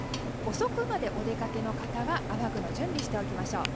遅くまでお出かけの方は雨具の準備をしておきましょう。